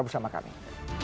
kpu mengembangkan peraturan ini